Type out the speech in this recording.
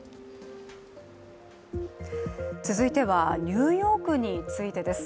続いてはニューヨークについてです。